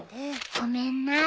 ごめんな。